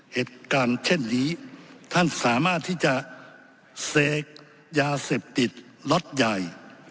เหตุการณ์เช่นนี้ท่านสามารถที่จะเสกยาเสพติดล็อตใหญ่